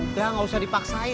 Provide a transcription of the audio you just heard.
nggak gak usah dipaksain